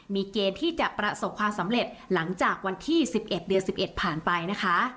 มีเกณฑ์ที่จะประสบความสำเร็จหลังจากวันที่๑๑เดือน๑๑ผ่านไปนะคะ